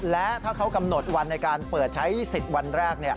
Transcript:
และถ้าเขากำหนดวันในการเปิดใช้สิทธิ์วันแรก